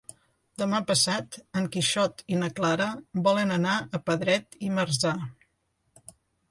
Demà passat en Quixot i na Clara volen anar a Pedret i Marzà.